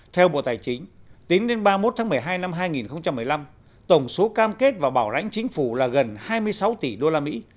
theo bộ tài chính tính đến ba mươi một tháng một mươi hai năm hai nghìn một mươi năm tổng số cam kết và bảo rãnh chính phủ là gần hai mươi sáu tỷ